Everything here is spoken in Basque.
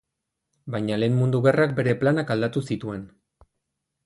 Baina Lehen Mundu Gerrak bere planak aldatu zituen.